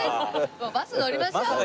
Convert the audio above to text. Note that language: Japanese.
バス乗りましょう。